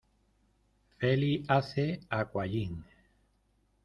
Feli hace aquagym.